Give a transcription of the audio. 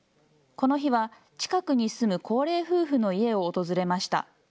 この日は、近くに住む高齢夫婦の家を訪れました。